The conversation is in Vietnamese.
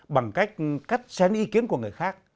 bằng cách cắt xén ý kiến của người khác